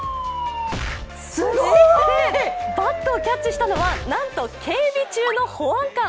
バットをキャッチしたのはなんと警備中の保安官。